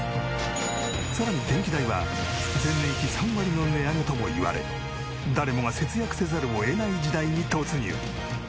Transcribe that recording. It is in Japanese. さらに電気代は前年比３割の値上げともいわれ誰もが節約せざるを得ない時代に突入。